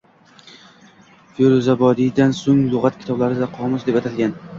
Feruzobodiydan so‘ng lug‘at kitoblari “qomus” deb atalgan.